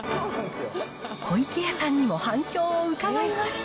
湖池屋さんにも反響を伺いました。